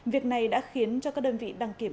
việc này đã khiến cho các đơn vị đăng kiểm